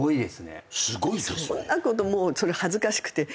そんなこともう恥ずかしくて。